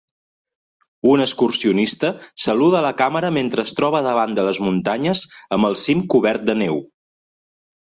Un excursionista saluda a la càmera mentre es troba davant de les muntanyes amb el cim cobert de neu.